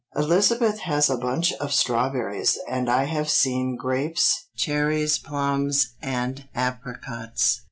Elizabeth has a bunch of strawberries, and I have seen grapes, cherries, plums, and apricots.